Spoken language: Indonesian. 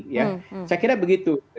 saya kira begitu